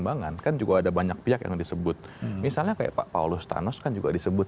bang kan juga ada banyak pihak yang disebut misalnya kayak pak paulus thanos kan juga disebut